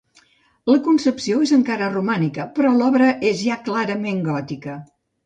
La concepció és encara romànica, però l'obra és ja clarament gòtica.